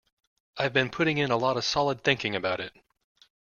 I've been putting in a lot of solid thinking about it.